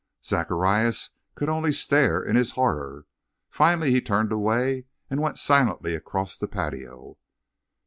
Zacharias could only stare in his horror. Finally he turned away and went silently across the patio.